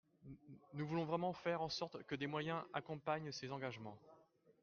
Nous voulons vraiment faire en sorte que des moyens accompagnent ces engagements.